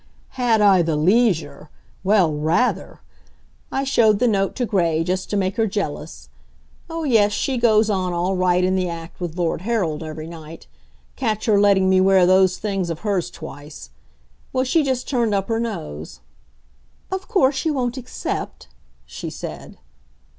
Had I the leisure well, rather! I showed the note to Gray, just to make her jealous. (Oh, yes, she goes on all right in the act with Lord Harold every night. Catch her letting me wear those things of hers twice!) Well, she just turned up her nose. "Of course, you won't accept?" she said.